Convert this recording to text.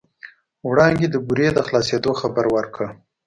وړانګې د بورې د خلاصېدو خبر ورکړ.